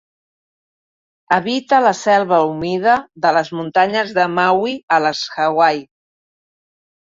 Habita la selva humida de les muntanyes de Maui, a les Hawaii.